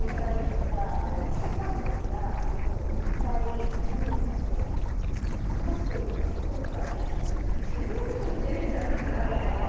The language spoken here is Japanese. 先輩たちがいっぱい何人か話してるのを遠くから見ちゃう時何か自分のこと言ってるんじゃないかなみたいな。